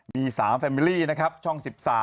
มี๓แฟมิลี่ช่อง๑๓